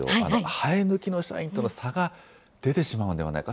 生え抜きの社員との差が出てしまうんではないか。